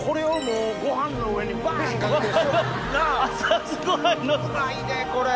うまいでこれ！